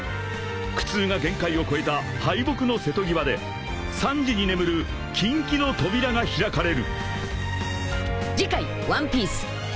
［苦痛が限界を超えた敗北の瀬戸際でサンジに眠る禁忌の扉が開かれる］